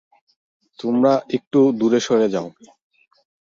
তোমরা একটু দূরে সরে যাও।